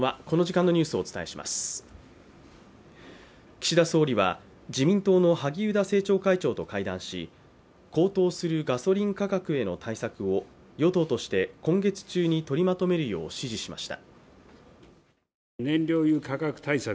岸田総理は自民党の萩生田政調会長と会談し高騰するガソリン価格への対策を与党として今月中に取りまとめるよう指示しました。